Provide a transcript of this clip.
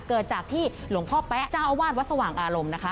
เกิดจากที่หลวงพ่อแป๊ะเจ้าอาวาสวัดสว่างอารมณ์นะคะ